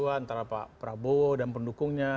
antara pak prabowo dan pendukungnya